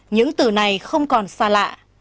những từ này không còn xa lạ